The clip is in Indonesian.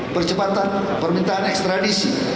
percepatan permintaan ekstradisi